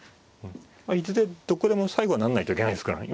まあいずれどこでも最後は成んないといけないですからね。